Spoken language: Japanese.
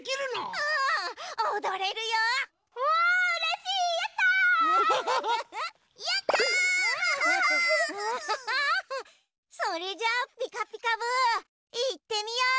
ウフフ。それじゃあ「ピカピカブ！」いってみよう！